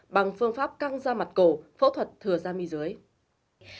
bằng phương pháp căng da mặt cổ phẫu thuật thừa da miếu dưới